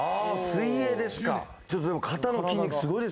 水泳ですか。